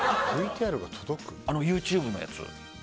あのＹｏｕＴｕｂｅのやつ。